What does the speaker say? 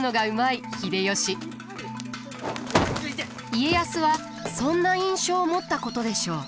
家康はそんな印象を持ったことでしょう。